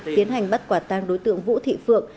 tiến hành bắt quả tang đối tượng vũ thị phượng